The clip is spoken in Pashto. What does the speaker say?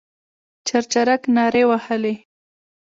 چرچرک نارې وهلې.